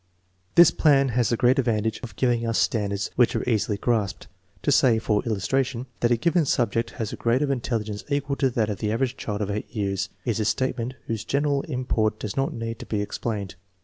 This plan has the great advantage of giving us standards which are easily grasped. To say* for illustration, that, a given subject has a grade of intelligence equal to that of the average child of H years is a statement whose general im port does not need to be explained.